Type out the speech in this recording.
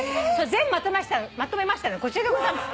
全部まとめましたのでこちらでございます。